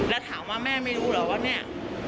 แล้วถามว่าแม่ไม่รู้เหรอว่าเนี่ย